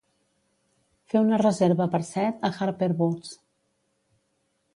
Fer una reserva per set a Harper Woods